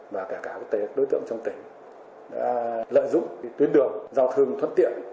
và cả các đối tượng trong tỉnh đã lợi dụng tuyến đường giao thương thuận tiện trên đoàn tỉnh